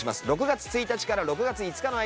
６月１日から６月５日の間